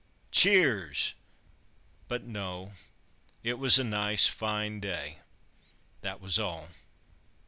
Cheers! But no, it was a nice, fine day, that was all.